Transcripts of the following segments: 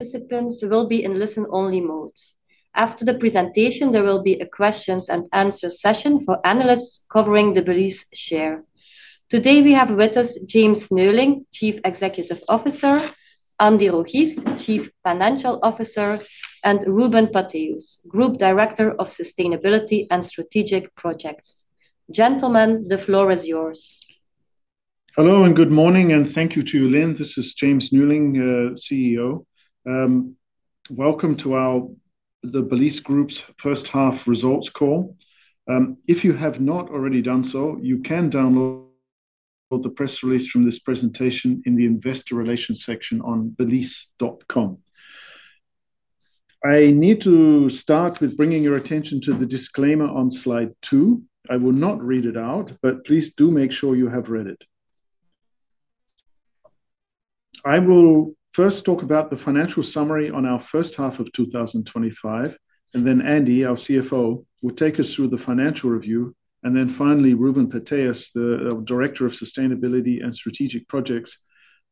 The systems will be in listen-only mode. After the presentation, there will be a questions and answers session for analysts covering the Belysse share. Today, we have with us James Neuling, Chief Executive Officer, Andy Rogiest, Chief Financial Officer, and Ruben Pattheeuws, Group Director of Sustainability and Strategic Projects. Gentlemen, the floor is yours. Hello and good morning, and thank you to you, Linh. This is James Neuling, CEO. Welcome to our Belysse Group's First Half Results Call. If you have not already done so, you can download the press release from this presentation in the Investor Relations section on belysse.com. I need to start with bringing your attention to the disclaimer on slide two. I will not read it out, but please do make sure you have read it. I will first talk about the financial summary on our first half of 2025, and then Andy, our CFO, will take us through the financial review. Finally, Ruben Pattheeuws, the Director of Sustainability and Strategic Projects,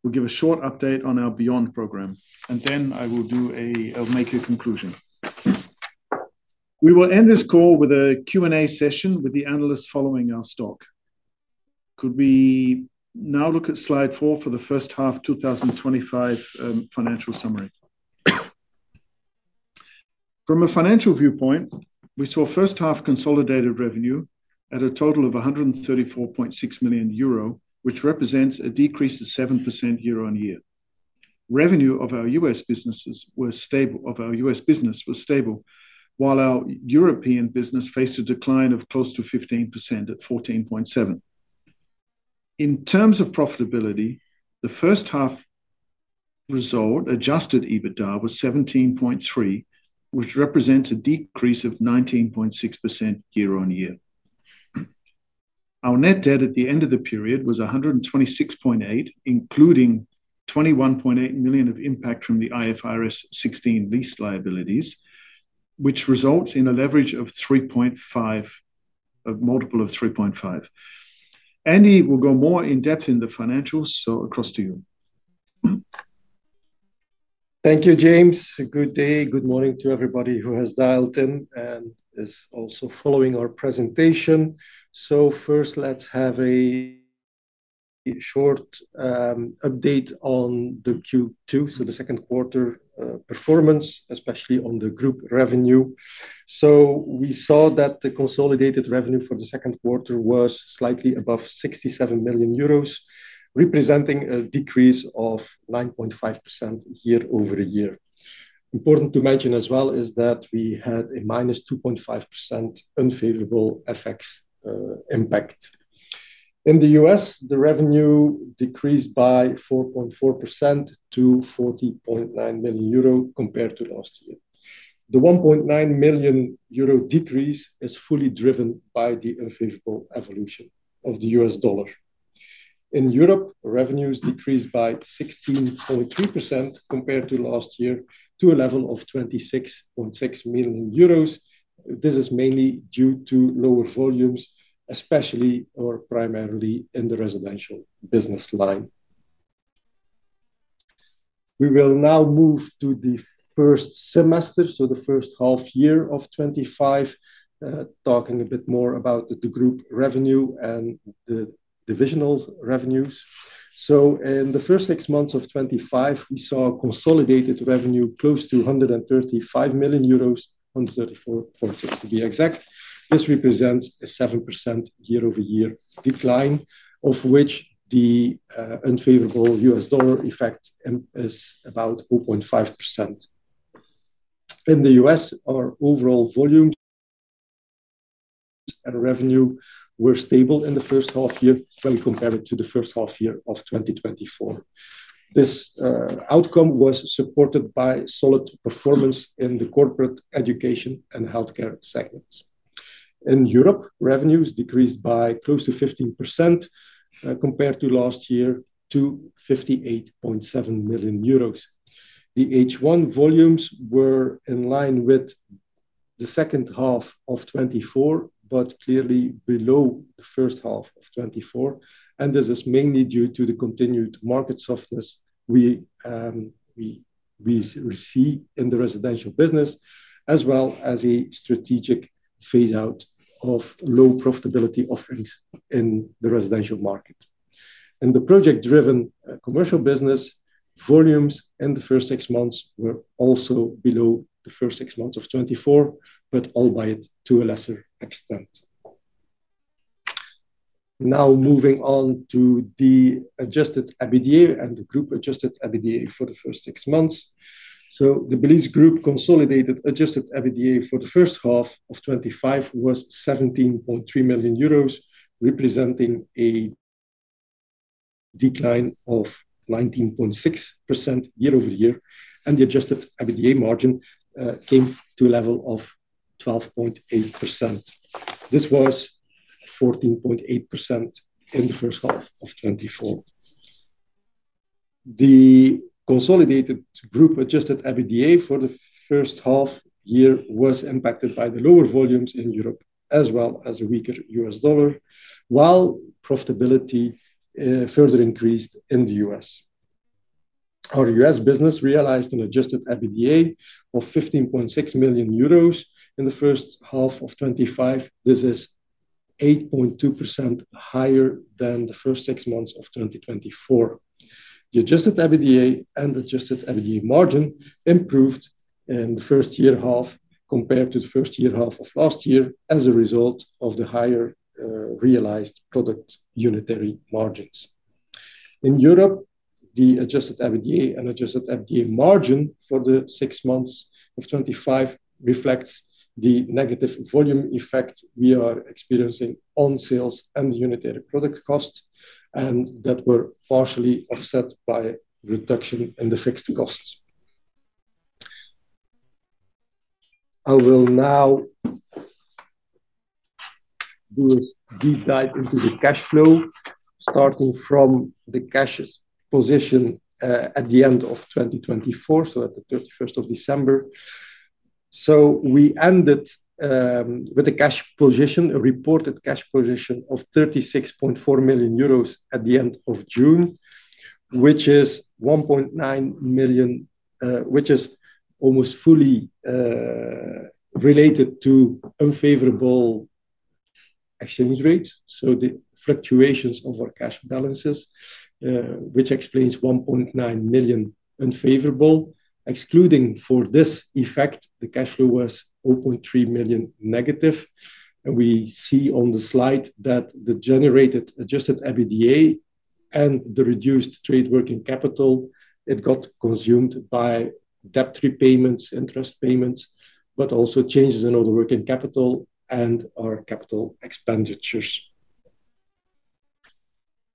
will give a short update on our Beyond program. I will make a conclusion. We will end this call with a Q&A session with the analysts following our stock. Could we now look at slide four for the first half 2025 financial summary? From a financial viewpoint, we saw first half consolidated revenue at a total of 134.6 million euro, which represents a decrease of 7% year-on-year. Revenue of our U.S. businesses was stable, while our European business faced a decline of close to 15% at 14.7%. In terms of profitability, the first half result adjusted EBITDA was 17.3%, which represents a decrease of 19.6% year-on-year. Our net debt at the end of the period was 126.8 million, including €21.8 million of impact from the IFRS 16 lease liabilities, which results in a leverage of 3.5, a multiple of 3.5. Andy will go more in depth in the financials, so across to you. Thank you, James. Good day, good morning to everybody who has dialed in and is also following our presentation. First, let's have a short update on the Q2, the second quarter performance, especially on the group revenue. We saw that the consolidated revenue for the second quarter was slightly above €67 million, representing a decrease of 9.5% year- over- year. Important to mention as well is that we had a -2.5% unfavorable effects impact. In the U.S., the revenue decreased by 4.4% to 40.9 million euro compared to last year. The €1.9 million decrease is fully driven by the unfavorable evolution of the U.S. dollar. In Europe, revenues decreased by 16.3% compared to last year to a level of 26.6 million euros. This is mainly due to lower volumes, especially or primarily in the residential business line. We will now move to the first semester, the first half year of 2025, talking a bit more about the group revenue and the divisional revenues. In the first six months of 2025, we saw consolidated revenue close to 135 million euros, 134.6 million to be exact. This represents a 7% year-over-year decline, of which the unfavorable U.S. dollar effect is about 4.5%. In the U.S., our overall volume and revenue were stable in the first half year when compared to the first half year of 2024. This outcome was supported by solid performance in the corporate, education, and healthcare segments. In Europe, revenues decreased by close to 15% compared to last year to 58.7 million euros. The H1 volumes were in line with the second half of 2024, but clearly below the first half of 2024. This is mainly due to the continued market softness we see in the residential business, as well as a strategic phase-out of low profitability offerings in the residential market. In the project-driven commercial business, volumes in the first six months were also below the first six months of 2024, albeit to a lesser extent. Now moving on to the adjusted EBITDA and the group adjusted EBITDA for the first six months. The Belysse Group consolidated adjusted EBITDA for the first half of 2025 was 17.3 million euros, representing a decline of 19.6% year over year. The adjusted EBITDA margin came to a level of 12.8%. This was 14.8% in the first half of 2024. The consolidated group adjusted EBITDA for the first half year was impacted by the lower volumes in Europe, as well as a weaker U.S. dollar, while profitability further increased in the U.S. Our US business realized an adjusted EBITDA of 15.6 million euros in the first half of 2025. This is 8.2% higher than the first six months of 2024. The adjusted EBITDA and adjusted EBITDA margin improved in the first year half compared to the first year half of last year as a result of the higher realized product unitary margins. In Europe, the adjusted EBITDA and adjusted EBITDA margin for the six months of 2025 reflects the negative volume effect we are experiencing on sales and unitary product costs, and that were partially offset by reduction in the fixed costs. I will now deep dive into the cash flow, starting from the cash position at the end of 2024, at the 31st of December. We ended with a reported cash position of 36.4 million euros at the end of June, which is 1.9 million, almost fully related to unfavorable exchange rates, so the fluctuations of our cash balances, which explains 1.9 million unfavorable. Excluding for this effect, the cash flow was 0.3 million negative. We see on the slide that the generated adjusted EBITDA and the reduced trade working capital got consumed by debt repayments, interest payments, but also changes in other working capital and our capital expenditures,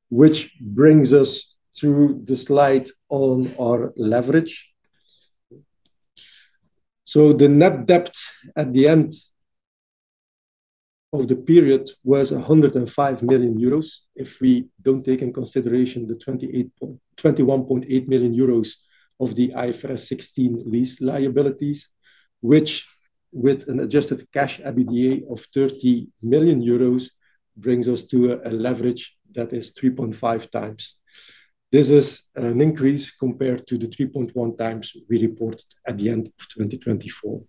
which brings us to the slide on our leverage. The net debt at the end of the period was 105 million euros if we don't take in consideration the 21.8 million euros of the IFRS 16 lease liabilities, which with an adjusted cash EBITDA of 30 million euros brings us to a leverage that is 3.5x. This is an increase compared to the 3.1x we reported at the end of 2024.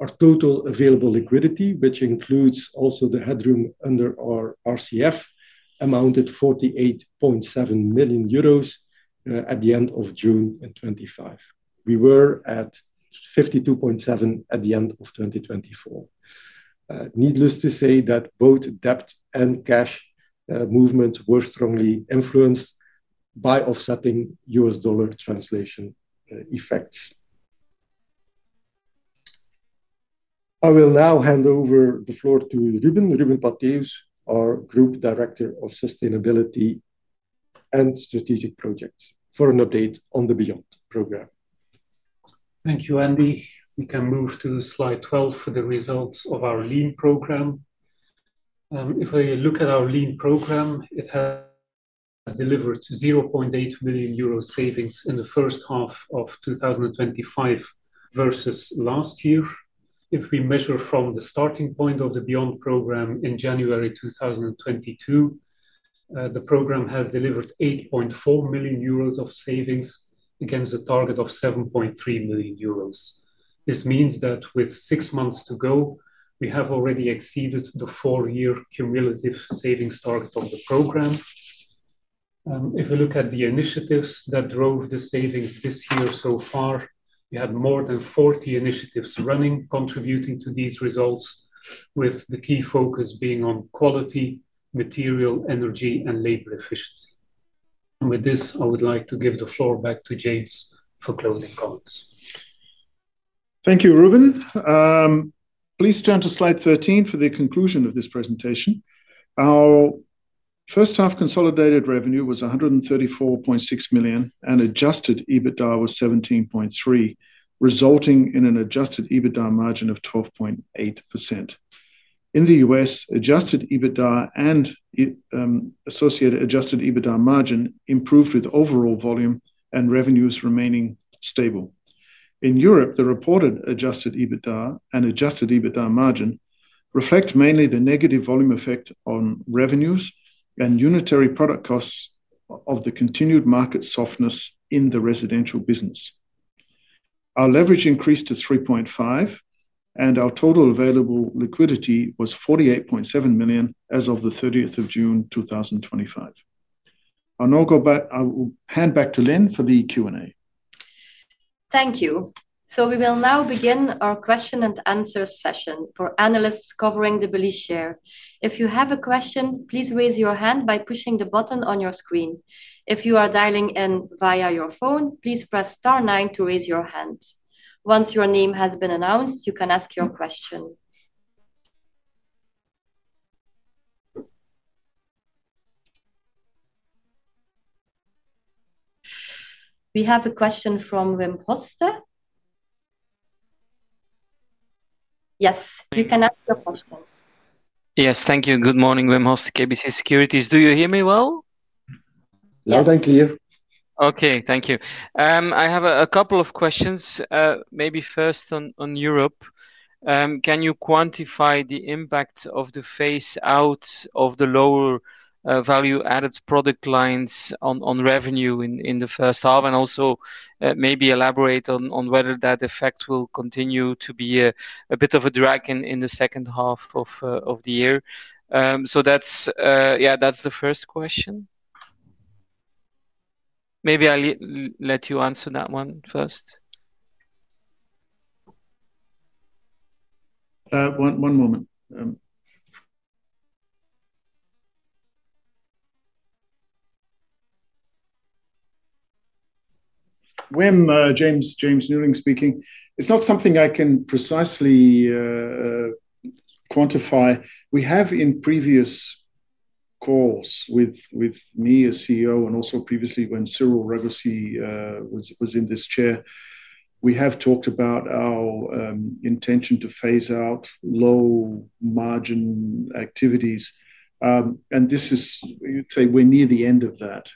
Our total available liquidity, which includes also the headroom under our RCF, amounted to 48.7 million euros at the end of June 2025. We were at 52.7 million at the end of 2024. Needless to say that both debt and cash movements were strongly influenced by offsetting US dollar translation effects. I will now hand over the floor to Ruben. Ruben Pattheeuws, our Group Director of Sustainability and Strategic Projects, for an update on the Beyond program. Thank you, Andy. We can move to slide 12 for the results of our Lean program. If we look at our Lean program, it has delivered 0.8 million euros savings in the first half of 2025 versus last year. If we measure from the starting point of the Beyond program in January 2022, the program has delivered 8.4 million euros of savings against a target of 7.3 million euros. This means that with six months to go, we have already exceeded the four-year cumulative savings target of the program. If we look at the initiatives that drove the savings this year so far, we had more than 40 initiatives running, contributing to these results, with the key focus being on quality, material, energy, and labor efficiency. With this, I would like to give the floor back to James for closing thoughts. Thank you, Ruben. Please turn to slide 13 for the conclusion of this presentation. Our first half consolidated revenue was 134.6 million and adjusted EBITDA was 17.3 million, resulting in an adjusted EBITDA margin of 12.8%. In the U.S., adjusted EBITDA and associated adjusted EBITDA margin improved with overall volume and revenues remaining stable. In Europe, the reported adjusted EBITDA and adjusted EBITDA margin reflect mainly the negative volume effect on revenues and unitary product costs of the continued market softness in the residential business. Our leverage increased to 3.5, and our total available liquidity was 48.7 million as of June 30th, 2025. I'll now go back. I will hand back to Lynn for the Q&A. Thank you. We will now begin our question and answer session for analysts covering the Belysse share. If you have a question, please raise your hand by pushing the button on your screen. If you are dialing in via your phone, please press star nine to raise your hand. Once your name has been announced, you can ask your question. We have a question from Wim Hoste. Yes, you can ask your question. Yes, thank you. Good morning, Wim Hoste, KBC Securities. Do you hear me well? Loud and clear. Okay, thank you. I have a couple of questions. Maybe first on Europe. Can you quantify the impact of the phase-out of the lower value-added product lines on revenue in the first half? Also, maybe elaborate on whether that effect will continue to be a bit of a drag in the second half of the year. That's the first question. Maybe I'll let you answer that one first. One moment. Wim, James Neuling speaking. It's not something I can precisely quantify. We have in previous calls with me, as CEO, and also previously when Cyril Rebusy was in this chair, talked about our intention to phase out low-margin activities. You'd say we're near the end of that.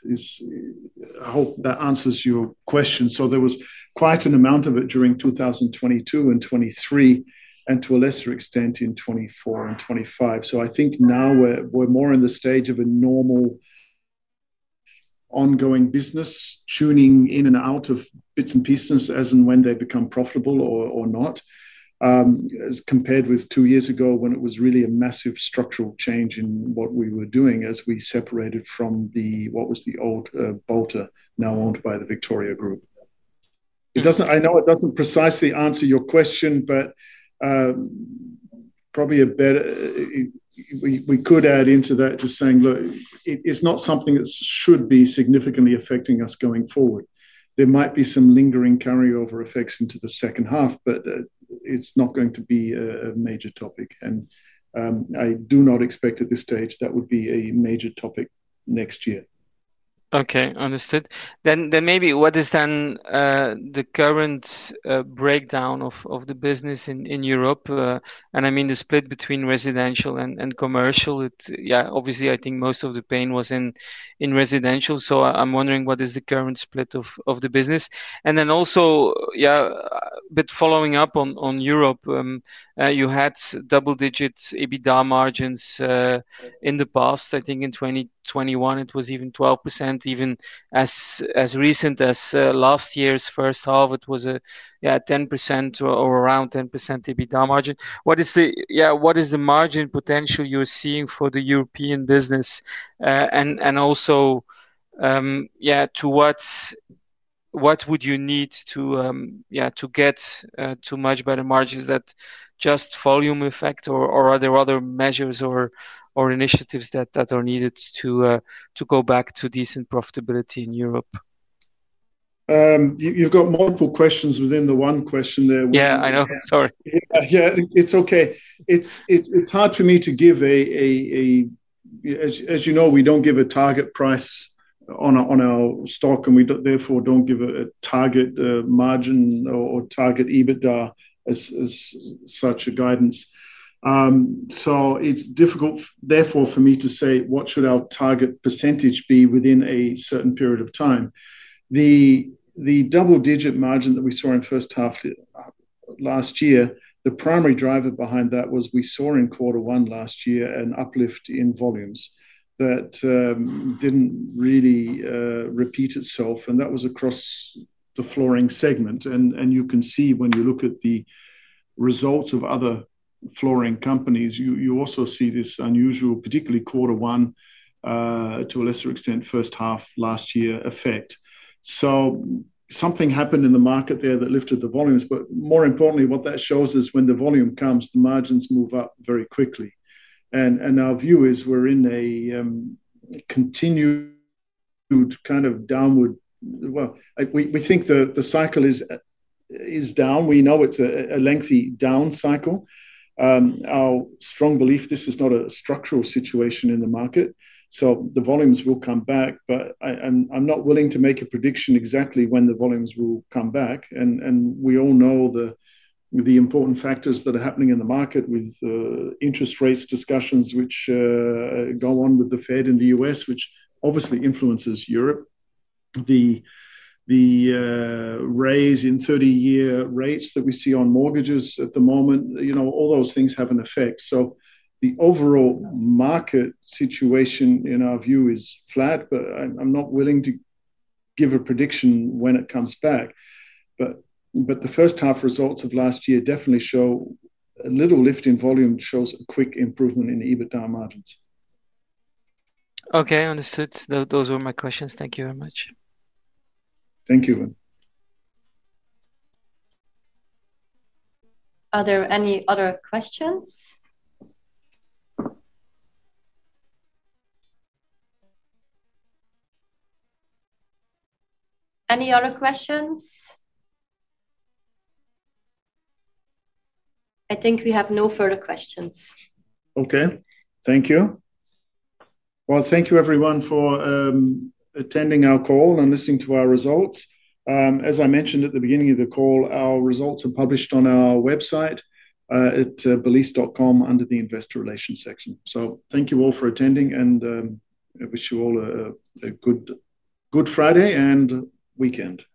I hope that answers your question. There was quite an amount of it during 2022 and 2023, and to a lesser extent in 2024 and 2025. I think now we're more in the stage of a normal ongoing business, tuning in and out of bits and pieces as and when they become profitable or not, as compared with two years ago when it was really a massive structural change in what we were doing as we separated from what was the old Boulter, now owned by the Victoria Group. I know it doesn't precisely answer your question, but probably better we could add into that just saying, look, it's not something that should be significantly affecting us going forward. There might be some lingering carryover effects into the second half, but it's not going to be a major topic. I do not expect at this stage that would be a major topic next year. Okay, understood. Maybe what is the current breakdown of the business in Europe? I mean the split between residential and commercial. Obviously, I think most of the pain was in residential. I'm wondering what is the current split of the business? Also, following up on Europe, you had double-digit EBITDA margins in the past. I think in 2021, it was even 12%. Even as recent as last year's first half, it was a 10% or around 10% EBITDA margin. What is the margin potential you're seeing for the European business? Also, to what would you need to get to much better margins? Is that just volume effect, or are there other measures or initiatives that are needed to go back to decent profitability in Europe? You've got multiple questions within the one question there. Yeah, I know. Sorry. Yeah, it's okay. It's hard for me to give a, as you know, we don't give a target price on our stock, and we therefore don't give a target margin or target EBITDA as such a guidance. It's difficult, therefore, for me to say what should our target percentage be within a certain period of time. The double-digit margin that we saw in the first half last year, the primary driver behind that was we saw in quarter one last year an uplift in volumes that didn't really repeat itself. That was across the flooring segment. You can see when you look at the results of other flooring companies, you also see this unusual, particularly quarter one, to a lesser extent, first half last year effect. Something happened in the market there that lifted the volumes. More importantly, what that shows is when the volume comes, the margins move up very quickly. Our view is we're in a continued kind of downward, we think the cycle is down. We know it's a lengthy down cycle. Our strong belief, this is not a structural situation in the market. The volumes will come back, but I'm not willing to make a prediction exactly when the volumes will come back. We all know the important factors that are happening in the market with interest rate discussions, which go on with the Fed in the U.S., which obviously influences Europe. The raise in 30-year rates that we see on mortgages at the moment, you know, all those things have an effect. The overall market situation in our view is flat, but I'm not willing to give a prediction when it comes back. The first half results of last year definitely show a little lift in volume shows a quick improvement in EBITDA margins. Okay, understood. Those were my questions. Thank you very much. Thank you, Wim. Are there any other questions? Any other questions? I think we have no further questions. Okay. Thank you. Thank you, everyone, for attending our call and listening to our results. As I mentioned at the beginning of the call, our results are published on our website at belysse.com under the Investor Relations section. Thank you all for attending, and I wish you all a good Friday and weekend. Bye.